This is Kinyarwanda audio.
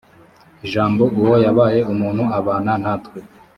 jambo uwo yabaye umuntu abana natwe